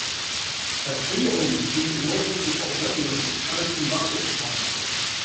Erfrierungen sind genau so wie Verbrennungen mit kaltem Wasser zu behandeln.